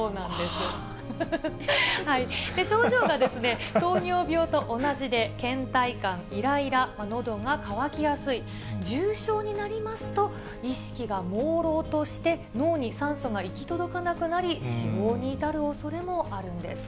症状が、糖尿病と同じで、けん怠感、いらいら、のどが渇きやすい、重症になりますと、意識がもうろうとして、脳に酸素が行き届かなくなり、死亡に至るおそれもあるんです。